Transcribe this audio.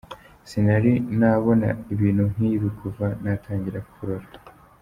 Sinari nabona ibintu nk’ibi kuva natangira korora.